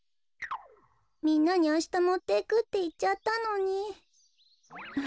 みんなにあしたもっていくっていっちゃったのに。